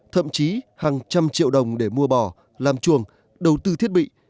thậm chí hàng trăm triệu đồng để mua bò làm chuồng đầu tư thiết bị